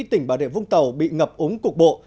tỉnh bà rịa vũng tàu bị ngập ống cục bộ